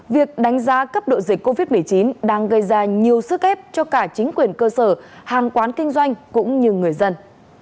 việc đánh giá cấp độ dịch covid một mươi chín đang gây ra nhiều sức ép cho cả chính quyền cơ sở hàng quán kinh doanh cũng như người dân